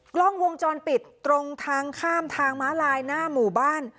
กล้องวงจรปิดตรงทางข้ามทางม้าลายหน้าหมู่บ้าน